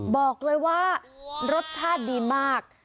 บอกเลยว่ารสชาติดีมาก